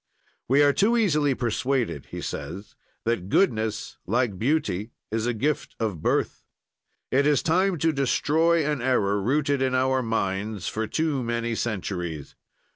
"We are too easily persuaded," he says, "that goodness, like beauty, is a gift of birth. "It is time to destroy an error rooted in our minds for too many centuries.